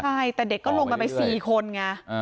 ใช่แต่เด็กก็ลงกันไป๔คนไง